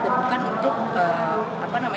dan bukan untuk apa namanya antek asing